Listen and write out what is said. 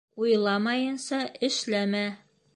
Уйламайынса эшләмә.